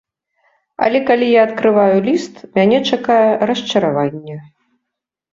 Але калі я адкрываю ліст, мяне чакае расчараванне.